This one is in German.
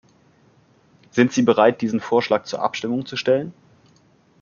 Sind Sie bereit, diesen Vorschlag zur Abstimmung zu stellen?